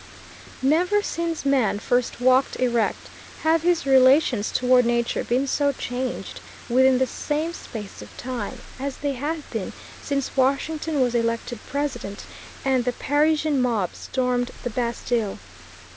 Never since man first walked erect have his relations toward nature been so changed, within the same space of time, as they have been since Washington was elected President and the Parisian mob stormed the Bastille.